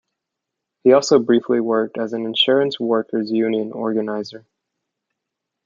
He also briefly worked as an Insurance Workers Union organiser.